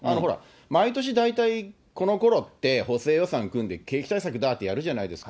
毎年大体このころって補正予算組んで景気対策、だーってやるじゃないですか。